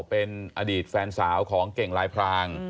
เป็นอดีตแฟนสาวของเก่งลายพราง